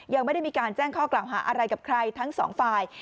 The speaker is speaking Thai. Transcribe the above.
ยังไม่ได้มีการแจ้งข้อกล่าวหาอะไรกับใครทั้งสองฝ่าย